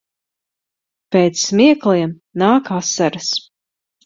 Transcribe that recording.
Pēc smiekliem nāk asaras.